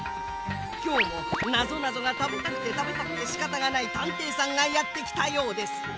きょうもなぞなぞがたべたくてたべたくてしかたがないたんていさんがやってきたようです。